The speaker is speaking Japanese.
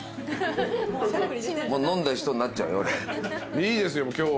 いいですよ今日は。